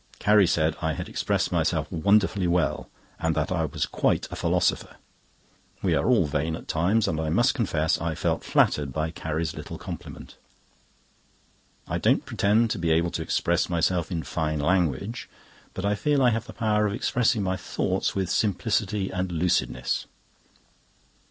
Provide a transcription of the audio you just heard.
Carrie said I had expressed myself wonderfully well, and that I was quite a philosopher. We are all vain at times, and I must confess I felt flattered by Carrie's little compliment. I don't pretend to be able to express myself in fine language, but I feel I have the power of expressing my thoughts with simplicity and lucidness.